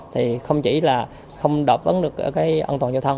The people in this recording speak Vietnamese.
thì không chỉ là không đọc vấn được cái an toàn giao thông